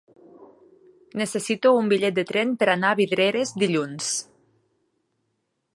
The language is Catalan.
Necessito un bitllet de tren per anar a Vidreres dilluns.